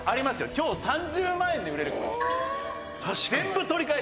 今日３０万円で売れるかもしれない」